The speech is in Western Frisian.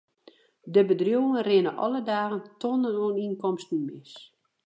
De bedriuwen rinne alle dagen tonnen oan ynkomsten mis.